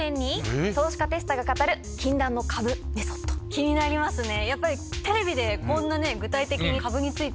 気になりますね！